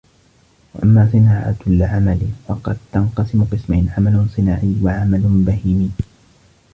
وَأَمَّا صِنَاعَةُ الْعَمَلِ فَقَدْ تَنْقَسِمُ قِسْمَيْنِ عَمَلٌ صِنَاعِيٌّ ، وَعَمَلٌ بَهِيمِيٌّ